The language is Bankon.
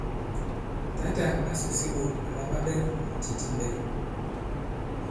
Tǎtà ǎ sùse ɓôt àla ɓa ɓɛ titimbɛ.